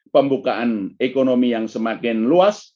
pembukaan ekonomi yang semakin luas